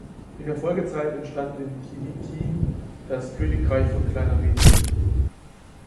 In der Folgezeit entstand in Kilikien das Königreich von Kleinarmenien.